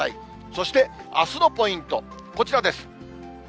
そしてあすのポイント、こちらです。